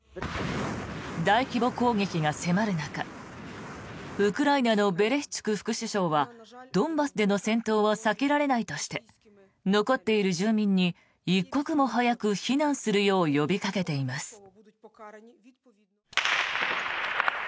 大規模攻撃が迫る中ウクライナのベレシュチュク副首相はドンバスでの戦闘は避けられないとして残っている住民に一刻も早く避難するよう呼びかけています。